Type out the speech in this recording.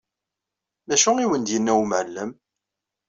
D acu i wen-d-yenna umɛellem?